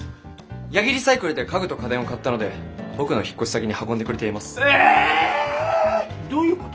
八木リサイクルで家具と家電を買ったので僕の引っ越し先に運んでくれています。え！？どういうこと？